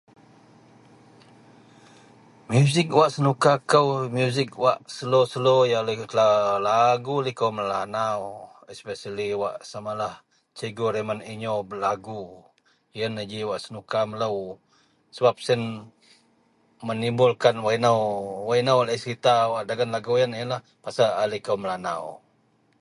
Musik wak senuka kou musik wak slo-slo yaw la lagu liko Melanau espesiali wak samalah cikgu Raymond Enyo belagu iyenah ji wak senuka melo sebab menimbulkan wak ino wak ino laei serita dagen lagu iyen pasel a liko Melanau.